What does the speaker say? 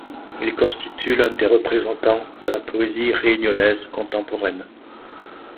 Il constitue l'un des représentants de la poésie réunionnaise contemporaine.